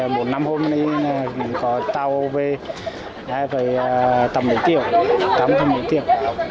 một năm hôm nay có tàu về tầm một triệu tầm một triệu